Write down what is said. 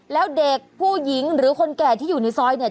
แล้วเด็กผู้หญิงหรือคนแก่ที่อยู่ในซอยเนี่ย